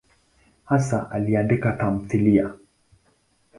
Hasa aliandika tamthiliya.